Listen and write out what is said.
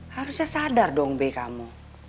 harusnya sadar dong b kamu